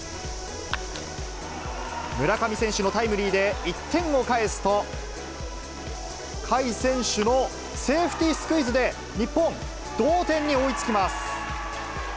村上選手のタイムリーで１点を返すと、甲斐選手のセーフティースクイズで、日本、同点に追いつきます。